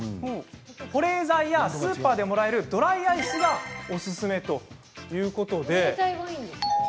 保冷剤やスーパーでもらえるドライアイスがおすすめということで。